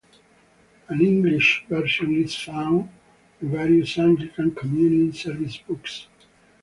An English version is found in various Anglican Communion service books.